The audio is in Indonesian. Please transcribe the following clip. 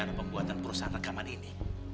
dan cara pembuatan perusahaan rekaman ini